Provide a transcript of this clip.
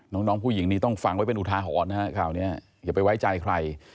น้องผู้หญิงนี้ต้องฟังไว้เป็นอุทาหรณ์นะฮะข่าวนี้อย่าไปไว้ใจใคร